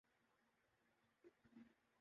وہ صرف تجربہ کر کی چیز ہے اور بتائی نہیں جاسک